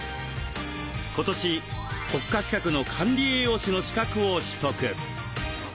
今年国家資格の管理栄養士の資格を取得。